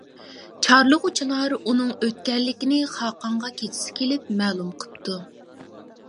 چارلىغۇچىلار ئۇنىڭ ئۆتكەنلىكىنى خاقانغا كېچىسى كېلىپ مەلۇم قىپتۇ.